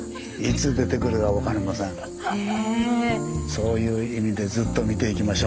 そういう意味でずっと見ていきましょう。